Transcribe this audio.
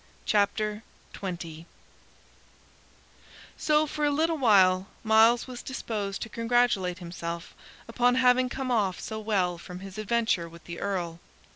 CHAPTER 20 So for a little while Myles was disposed to congratulate himself upon having come off so well from his adventure with the Earl.